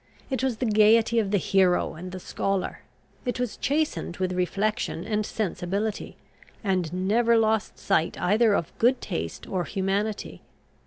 It was the gaiety of the hero and the scholar. It was chastened with reflection and sensibility, and never lost sight either of good taste or humanity.